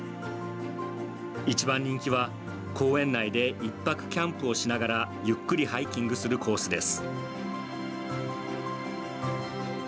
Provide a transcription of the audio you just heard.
一番人気は公園内で１泊キャンプをしながらゆっくりハイキングするコースです。